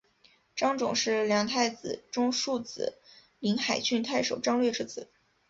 张种是梁太子中庶子临海郡太守张略之子。